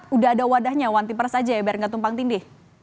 sudah ada wadahnya one team press saja ya biar tidak tumpang tinggi